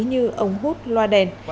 như ống hút loa đèn